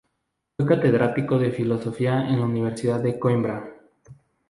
Fue catedrático de Filosofía en la Universidad de Coímbra.